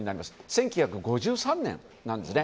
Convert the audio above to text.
１９５３年なんですね。